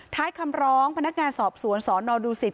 ท้ายคำร้องพนักงานสอบสวนสนดูสิต